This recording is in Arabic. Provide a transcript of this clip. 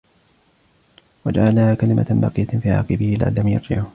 وَجَعَلَهَا كَلِمَةً بَاقِيَةً فِي عَقِبِهِ لَعَلَّهُمْ يَرْجِعُونَ